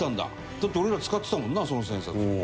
だって俺ら使ってたもんなその千円札。